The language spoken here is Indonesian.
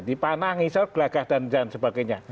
dipanah ngisor gelagah dan sebagainya